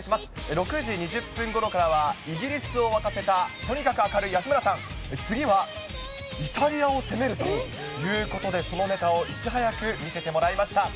６時２０分ごろからは、イギリスを沸かせたとにかく明るい安村さん、次はイタリアを攻めるということで、そのネタをいち早く見せてもらいました。